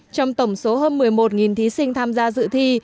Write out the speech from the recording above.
trong tổng số hơn một mươi một thí sinh tham gia dự thi